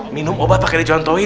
minum obat pake dia jantoin